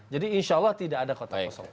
jadi insya allah tidak ada kota kosong